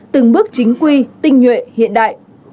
từng bước chính quy tinh nhuệ hiện đại